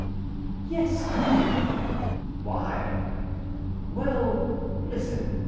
"Yes, you." "Why?" "Well, listen.